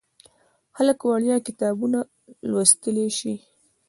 خلک وړیا کتابونه لوستلی شي.